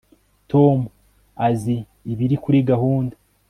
Tom azi ibiri kuri gahunda